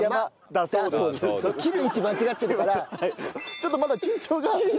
ちょっとまだ緊張が。